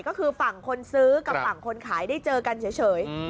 ก็คือฝั่งคนซื้อกับฝั่งคนขายได้เจอกันเฉย